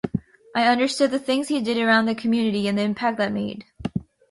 I understood the things he did around the community and the impact that made.